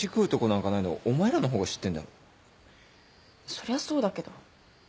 そりゃそうだけど。